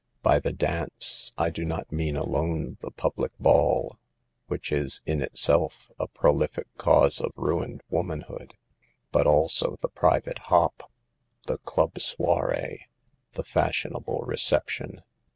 By the dance, I do not mean alone the public ball, which is, in itself, a prolific cause of ruined womanhood, but also the private "hop," the "club soiree," the fashionable reception.